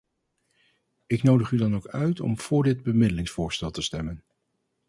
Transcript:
Ik nodig u dan ook uit om voor dit bemiddelingsvoorstel te stemmen.